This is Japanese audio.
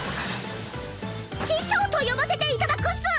師匠と呼ばせていただくっス！